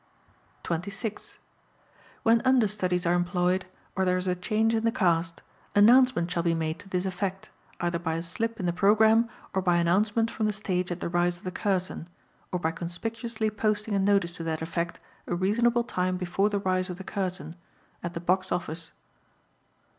26. When understudies are employed or there is a change in the cast, announcement shall be made to this effect, either by a slip in the program, or by announcement from the stage at the rise of the curtain, or by conspicuously posting a notice to that effect a reasonable time before the rise of the curtain, at the box office.